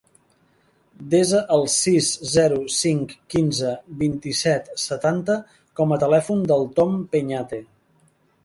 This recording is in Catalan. Desa el sis, zero, cinc, quinze, vint-i-set, setanta com a telèfon del Tom Peñate.